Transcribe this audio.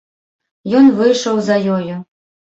Ён выйшаў за ёю.